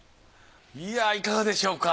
いやいかがでしょうか？